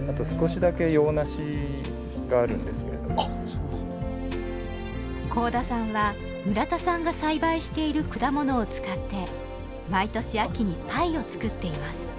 私は甲田さんは村田さんが栽培している果物を使って毎年秋にパイを作っています。